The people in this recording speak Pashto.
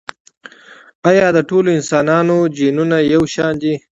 ایا د ټولو انسانانو جینونه یو شان دي؟